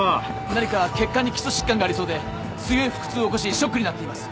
何か血管に基礎疾患がありそうで強い腹痛を起こしショックになっています。